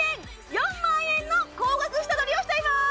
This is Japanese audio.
４万円の高額下取りをしちゃいます！